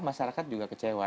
masyarakat juga kecewa